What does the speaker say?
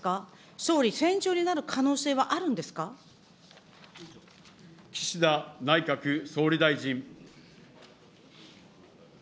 総理、戦場になる可能性はあるん岸田内閣総理大臣。